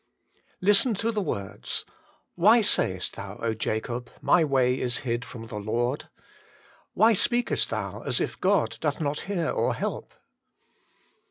Listen to the words :* Why sayest thou, Jacob, my way is hid from the Loidt' Why loa WAITING ON GODt speakest thou as if God doth not hear oi help?